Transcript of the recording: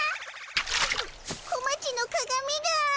小町のかがみが。